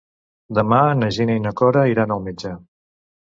Demà na Gina i na Cora iran al metge.